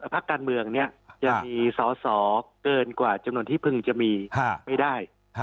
พักการเมืองนี้จะมีสอสอเกินกว่าจำนวนที่พึงจะมีไม่ได้